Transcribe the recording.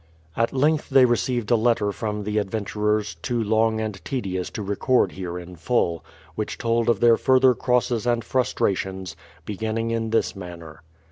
At length they received a letter from the adventurers, too long and tedious to record here in full, which told of their further crosses and frustrations, beginning in this manner.